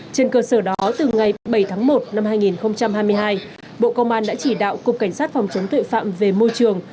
trên cơ sở đó từ ngày bảy tháng một năm hai nghìn hai mươi hai bộ công an đã chỉ đạo cục cảnh sát phòng chống tội phạm về môi trường